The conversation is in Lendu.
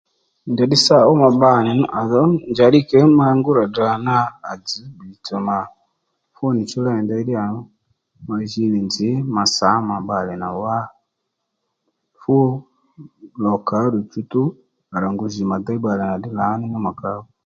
Njàddí sáwà ó ma bba nì nú à dho njà ddí kě ma ngú tdrà ma à dzždha nà fú nì chú léy ndey ddí yà ma ji nì nzǐ ma sǎ ma bbalè nà wá fú lò kà ó ddù ddiy dzzdjú à rà ngu djì mà déy bbalè ddí lǎní mà kà ó